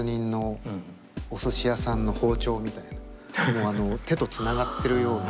もうあの手とつながってるような。